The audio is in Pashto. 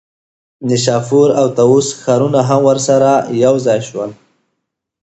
نیشاپور او طوس ښارونه هم ورسره یوځای شول.